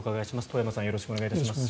よろしくお願いします。